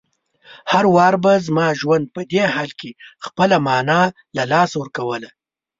هر وار به زما ژوند په دې حال کې خپله مانا له لاسه ورکوله.